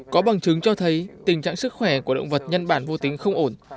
có bằng chứng cho thấy tình trạng sức khỏe của động vật nhân bản vô tính không ổn